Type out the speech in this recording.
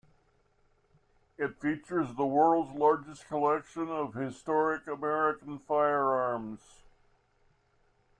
It features the world's largest collection of historic American firearms.